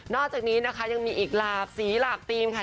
อกจากนี้นะคะยังมีอีกหลากสีหลากธีมค่ะ